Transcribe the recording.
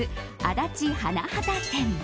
足立花畑店。